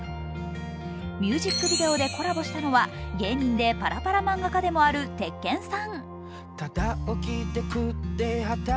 ミュージックビデオでコラボしたのは芸人でパラパラ漫画家でもある鉄拳さん。